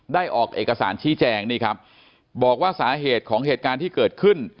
ออกเอกสารชี้แจงนี่ครับบอกว่าสาเหตุของเหตุการณ์ที่เกิดขึ้น